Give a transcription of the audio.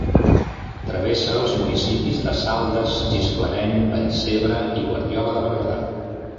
Travessa els municipis de Saldes, Gisclareny, Vallcebre i Guardiola de Berguedà.